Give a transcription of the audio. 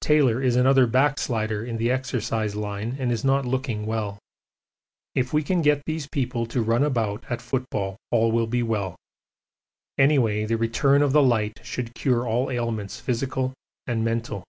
Taylor is another backslider in the exercise line and is not looking well. If we can get these people to run about at football all will be well. Anyway the return of the light should cure all ailments physical and mental.